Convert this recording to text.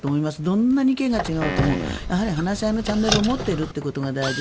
どんなに意見が違おうともやはり話し合いのチャンネルを持っていることが大事。